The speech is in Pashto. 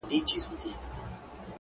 زه وېرېږم خپل قسمت به مي رقیب سي!!